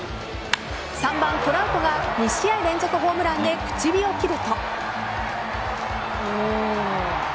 ３番・トラウトが２試合連続ホームランで口火を切ると。